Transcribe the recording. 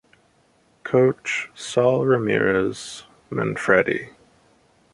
Coach: Saul Ramirez Manfredi.